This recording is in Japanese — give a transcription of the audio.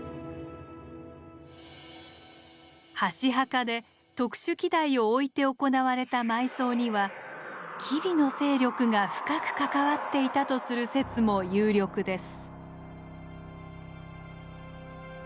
箸墓で特殊器台を置いて行われた埋葬には吉備の勢力が深く関わっていたとする説も有力です。